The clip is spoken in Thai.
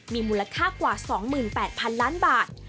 มีมูลค่ากว่า๒๘๐๐๐ล้านบาท